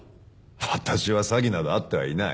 私は詐欺など遭ってはいない。